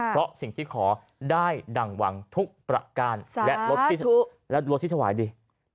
เพราะสิ่งที่ขอได้ดั่งหวังทุกประการและรถและรถที่ถวายดี